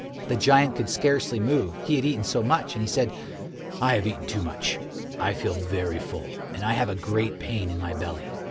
The giant could scarcely move, he had eaten so much, and he said, "I have eaten too much; I feel very full, and I have a great pain in my belly."